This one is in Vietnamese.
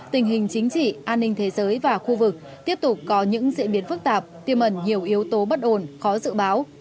tình hình chính trị an ninh thế giới và khu vực tiếp tục có những diễn biến phức tạp tiêm ẩn nhiều yếu tố bất ổn khó dự báo